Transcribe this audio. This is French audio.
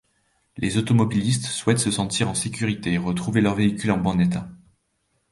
Les automobilistes souhaitent se sentir en sécurité et retrouver leur véhicule en bon état.